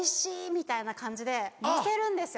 みたいな感じで載せるんですよ。